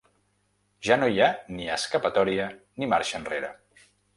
Ja no hi ha ni escapatòria ni marxa enrere.